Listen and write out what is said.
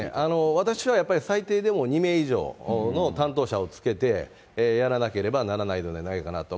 私はやっぱり最低でも２名以上の担当者をつけてやらなければならないのではないかなと。